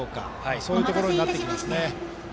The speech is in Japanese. そういうところになってきますね。